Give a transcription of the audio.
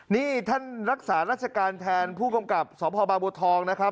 นี่ท่านรักษาราชการแทนผู้กำกับสพบางบัวทองนะครับ